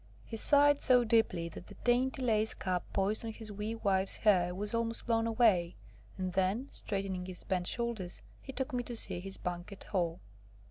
He sighed so deeply that the dainty lace cap poised on his wee wife's hair was almost blown away, and then, straightening his bent shoulders, he took me to see his Banquet Hall.